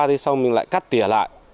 thì sau mình lại cắt tỉa lại